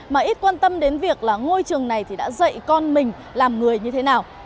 mà ít quan tâm đến việc là ngôi trường này thì đã dạy con mình làm người như thế nào